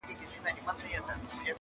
چي کورونا دی که کورونا ده!!